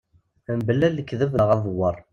Mebla lekteb neɣ adewwer.